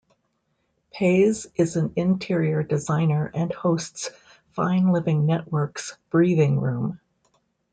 Pays is an interior designer and hosts Fine Living Network's "Breathing Room".